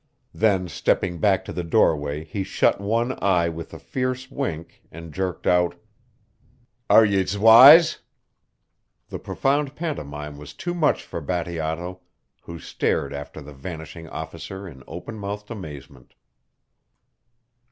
Then stepping back to the doorway he shut one eye with a fierce wink and jerked out: "Are yez wise?" The profound pantomime was too much for Bateato, who stared after the vanishing officer in open mouthed amazement.